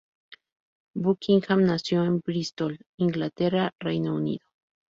Buckingham Nació en Bristol, Inglaterra, Reino Unido.